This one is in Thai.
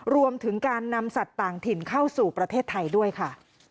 รวมถึงการนำสัตว์ต่างถิ่นเข้าสู่ประเทศไทยด้วยค่ะ